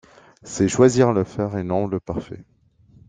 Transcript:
C’est choisir le faire et non le parfait.